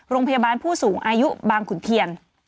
โรงพยาบาลผู้สูงอายุบังขุนเทียน